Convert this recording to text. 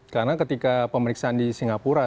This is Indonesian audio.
karena ketika pemeriksaan di singapura